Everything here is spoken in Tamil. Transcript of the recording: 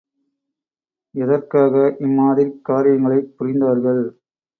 எதற்காக இம்மாதிரிக் காரியங்களைப் புரிந்தார்கள்?